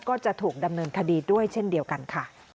ก็จะถูกดำเนินคดีด้วยเช่นเดียวกันค่ะ